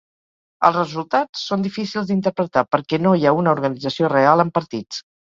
Els resultats són difícils d'interpretar perquè no hi ha una organització real en partits.